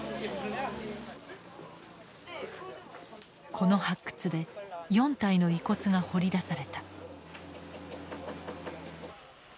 この発掘で４体の遺骨が掘り出された。